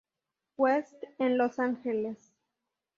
West" en Los Ángeles.